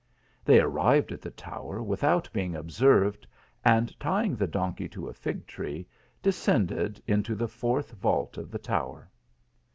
They arrived at the tower without being observed, and tying the donkey to a fig tree, descended into the fourth vault of the tower.